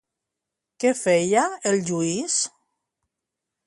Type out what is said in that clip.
Què feia el Lluís?